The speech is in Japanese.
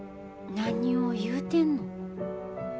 何を言うてんの。